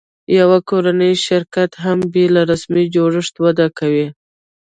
یو کورنی شرکت هم بېله رسمي جوړښت وده کوي.